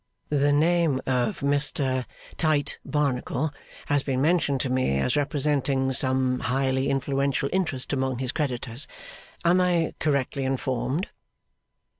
The name of Mr Tite Barnacle has been mentioned to me as representing some highly influential interest among his creditors. Am I correctly informed?